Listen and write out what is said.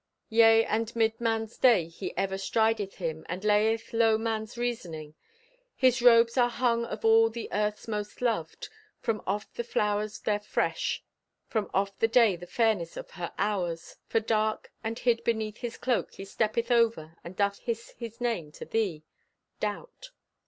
Yea, and 'mid man's day he ever strideth him And layeth low man's reasoning. His robes Are hung of all the earth's most loved. From off the flowers their fresh; from off the day The fairness of her hours. For dark, and hid Beneath his cloak, he steppeth ever, And doth hiss his name to thee— Doubt.